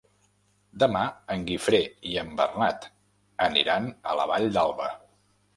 Demà en Guifré i en Bernat aniran a la Vall d'Alba.